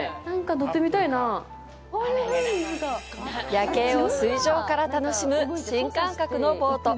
夜景を水上から楽しむ新感覚のボート。